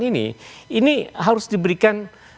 ini ini harus diberikan